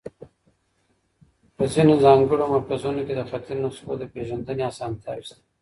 په ځینو ځانګړو مرکزونو کي د خطي نسخو د پېژندني اسانتیاوي سته